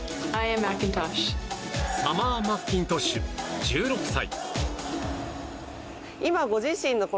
サマー・マッキントッシュ１６歳。